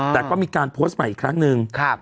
แต่ก็มีการโพสต์ใหม่อีกครั้งหนึ่ง